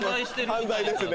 犯罪ですね。